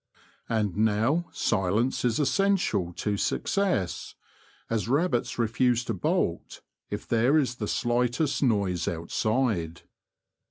And now silence is essential to success, as rabbits refuse to bolt if there is the slightest noise outside.